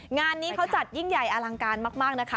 งานนี้เขาจัดยิ่งใหญ่อลังการมากนะคะ